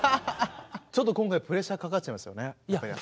ちょっと今回プレッシャーかかっちゃいますよね。